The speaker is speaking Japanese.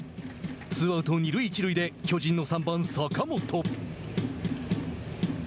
ツーアウト二塁一塁で巨人の３番坂本。